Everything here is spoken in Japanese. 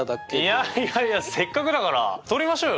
いやいやいやせっかくだから撮りましょうよ！ねえ。